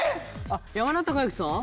あっ山田孝之さん？